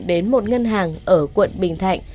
đến một ngân hàng ở quận bình thạnh